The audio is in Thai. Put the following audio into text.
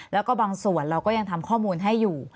แล้วก็บางส่วนเราก็ยังทำข้อมูลให้อยู่